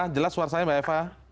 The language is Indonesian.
jelas suara saya mbak eva